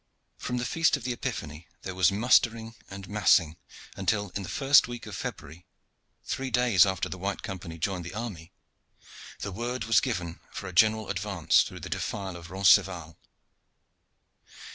From the Feast of the Epiphany there was mustering and massing, until, in the first week of February three days after the White Company joined the army the word was given for a general advance through the defile of Roncesvalles.